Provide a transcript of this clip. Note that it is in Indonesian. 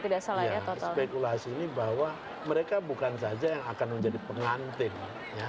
dan saya berspekulasi ini bahwa mereka bukan saja yang akan menjadi pengantin